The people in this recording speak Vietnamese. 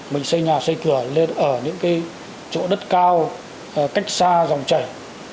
mình xây nhà xây cửa lên ở những cái chỗ đất cao cách xa dòng chảy